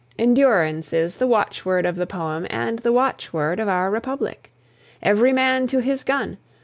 Endurance is the watchword of the poem and the watchword of our republic. Every man to his gun!